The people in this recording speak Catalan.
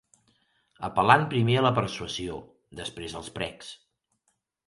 Apel·lant primer a la persuasió, després als precs